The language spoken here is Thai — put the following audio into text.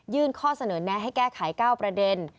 ข้อเสนอแนะให้แก้ไข๙ประเด็น